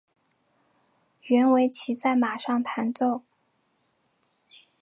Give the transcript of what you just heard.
原为骑在马上弹奏。